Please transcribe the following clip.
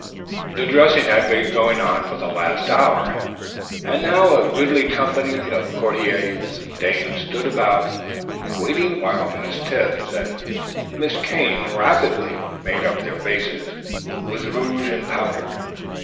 The dressing had been going on for the last hour, and now a goodly company of courtiers and dames stood about waiting while Miss Tebbs and Miss Kane rapidly "made up their faces" with rouge and powder.